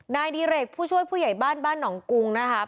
นายดิเรกผู้ช่วยผู้ใหญ่บ้านบ้านหนองกุงนะครับ